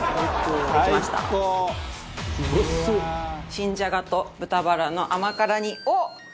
新じゃがと豚バラの甘辛煮。